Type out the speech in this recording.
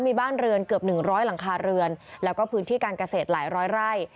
มีบ้านเรือนเกือบ๑๐๐หลังคาเรือนแล้วก็พื้นที่การเกษตรหลายร้อยไร่